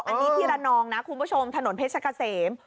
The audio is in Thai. อันนี้ที่ระนองนะคุณผู้ชมถนนเพชรกะเสม